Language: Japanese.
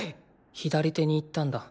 左手に言ったんだ。